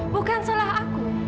bukan salah aku